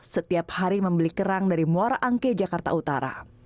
setiap hari membeli kerang dari muara angke jakarta utara